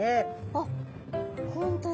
あっ本当だ！